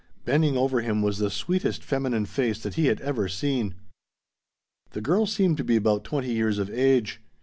Bending over him was the sweetest feminine face that he had ever seen. The girl seemed to be about twenty years of age.